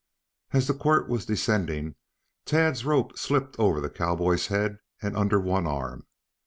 As the quirt was descending, Tad's rope slipped over the cowboy's head and under one arm.